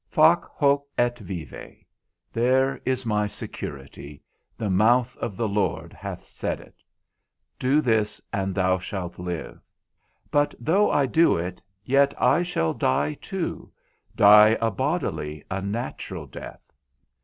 Fac hoc et vive, there is my security, the mouth of the Lord hath said it, do this and thou shalt live. But though I do it, yet I shall die too, die a bodily, a natural death.